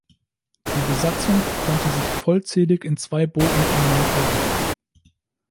Die Besatzung konnte sich vollzählig in zwei Booten an Land retten.